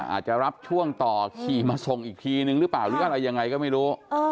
อาจจะรับช่วงต่อขี่มาส่งอีกทีนึงหรือเปล่าหรืออะไรยังไงก็ไม่รู้